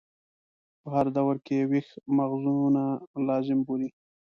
په هر دور کې یې ویښ مغزونه لازم بولي.